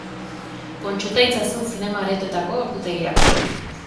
Kontsulta itzazu zinema-aretoetako ordutegiak.